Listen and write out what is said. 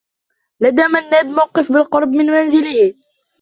لدى منّاد موقف بالقرب من منزله.